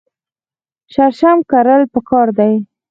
شړشم کرل پکار دي.